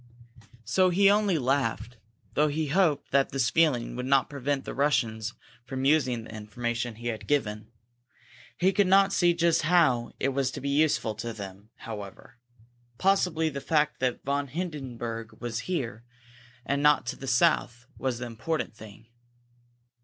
So he only laughed, though he hoped that this feeling would not prevent the Russians from using the information he had given. He could not see just how it was to be useful to them, however. Possibly the fact that von Hindenburg was here, and not to the south, was the important thing.